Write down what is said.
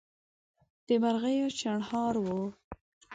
د مرغیو چڼهار وو